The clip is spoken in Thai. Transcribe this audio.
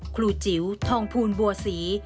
ครูจิ๋วทองพูนบัวสี